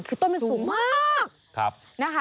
คือต้นมันสูงมาก